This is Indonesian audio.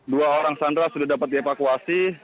dua orang sandra sudah dapat dievakuasi